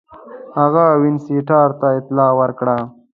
هغه وینسیټارټ ته اطلاع ورکړه.